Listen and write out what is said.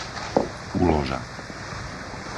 Uloža